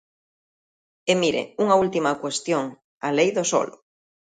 E mire, unha última cuestión: a Lei do solo.